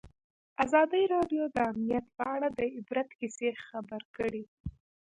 ازادي راډیو د امنیت په اړه د عبرت کیسې خبر کړي.